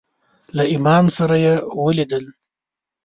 له امام سره یې ولیدل.